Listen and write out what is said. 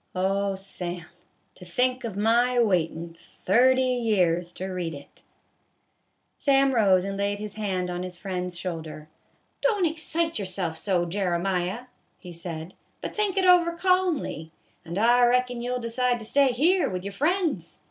Oh, Sam, to think of my waitin' thirty years to read it !" Sam rose and laid his hand on his friend's shoulder. " Don't excite yourself so, Jeremiah," he said, " but think it over, calmly, and I reckon you '11 decide to stay here with your friends.